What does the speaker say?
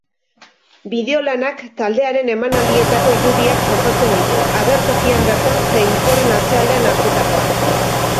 Bideolanak taldearen emanaldietako irudiak jasotzen ditu, agertokian bertan zein horren atzealdean hartutakoak.